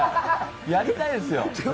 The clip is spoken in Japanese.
やりたいですよ。